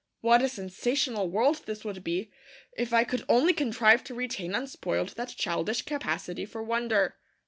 What a sensational world this would be if I could only contrive to retain unspoiled that childish capacity for wonder!